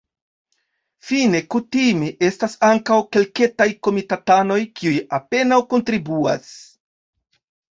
Fine kutime estas ankaŭ kelketaj komitatanoj, kiuj apenaŭ kontribuas.